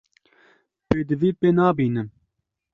Pêdivî pê nabînim.